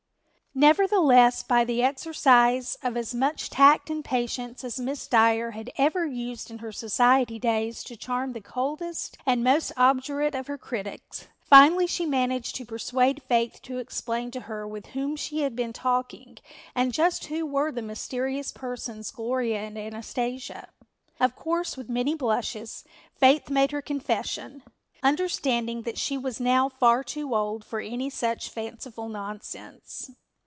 Nevertheless, by the exercise of as much tact and patience as Miss Dyer had ever used in her society days to charm the coldest and most obdurate of her critics, finally she managed to persuade Faith to explain to her with whom she had been talking and just who were the mysterious persons Gloria and Anastasia. Of course, with many blushes Faith made her confession, understanding that she was now far too old for any such fanciful nonsense.